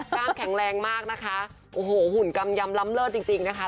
แข็งแรงมากนะคะโอ้โหหุ่นกำยำล้ำเลิศจริงจริงนะคะ